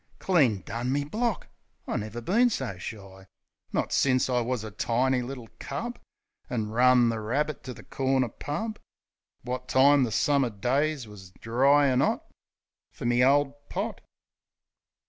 Clean done me block! I never been so shy, Not since I wus a tiny little cub. An' run the rabbit to the corner pub — Wot time the Summer days wus dry an' 'ot — Fer my ole pot.